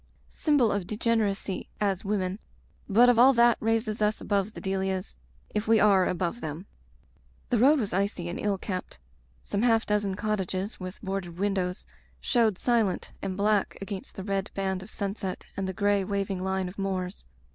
Symbol of degeneracy, as women; but of all that raises us above the Delias, if we are above them." The road was icy and ill kept. Some half dozen cottages with boarded windows showed silent and black against the red band of sunset and the gray, waving line of moors.